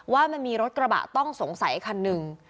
ว่ามันมีรถกระบะต้องสงสัยคันหนึ่ง